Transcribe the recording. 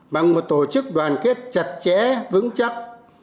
bằng một tổ chức đoàn kết chặt chẽ vững chắc